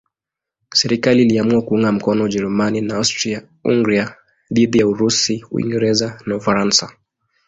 Serikali iliamua kuunga mkono Ujerumani na Austria-Hungaria dhidi ya Urusi, Uingereza na Ufaransa.